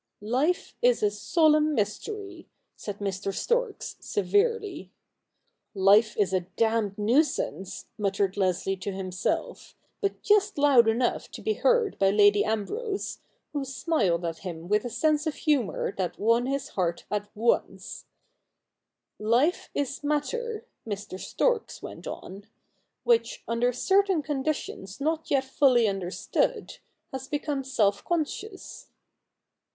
' Life is a solemn mystery,' said Mr. Storks, severely. ' Life is a damned nuisance,' muttered Leslie to him self, but just loud enough to be heard by Lady Ambrose, who smiled at him with a sense of humour that won his heart at once. 26 THE NEW REPUBLIC [bk. i * Life is matter,' Mr. Storks went on, ' which, under certain conditions not yet fully understood, has become self conscious.'